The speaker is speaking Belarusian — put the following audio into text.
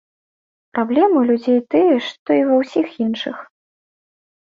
Праблемы ў людзей тыя ж, што і ва ўсіх іншых.